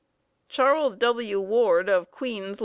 Charles W. Ward of Queens, L.